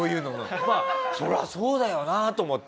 まあそりゃそうだよなと思って。